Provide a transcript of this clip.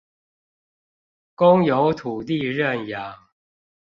公有土地認養